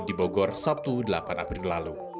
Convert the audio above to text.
di bogor sabtu delapan april lalu